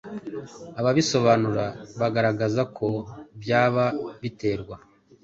Ababisobanura bagaragaza ko byaba biterwa